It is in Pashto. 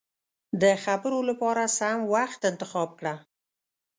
د خبرو له پاره سم وخت انتخاب کړه.